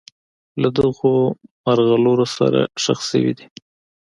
له دغو مرغلرو سره ښخ شوي دي.